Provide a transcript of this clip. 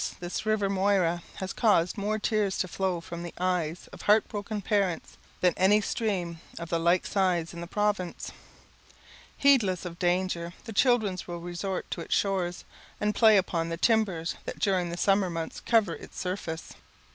this river Moira has caused more tears to flow from the eyes of heart broken parents than any stream of the like size in the province. Heedless of danger, the children will resort to its shores, and play upon the timbers that during the summer months cover its surface.